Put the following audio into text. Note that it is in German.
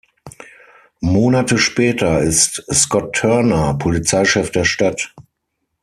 Monate später ist Scott Turner Polizeichef der Stadt.